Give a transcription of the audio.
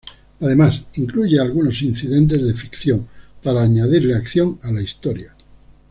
Además incluye algunos incidentes de ficción para añadirle acción a la historia.